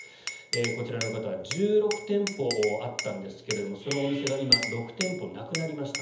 こちらの方は１６店舗あったんですがそのお店が６店舗なくなりました